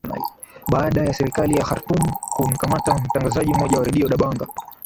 baada ya serikali ya khartum kumkamata mtangazaji mmoja wa redio dabanga